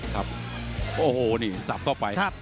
ครับโอ้โหนี่สับเข้าไป